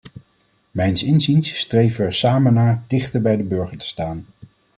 Mijns inziens streven we er samen naar dicht(er) bij de burger te staan.